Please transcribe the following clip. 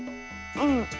うん。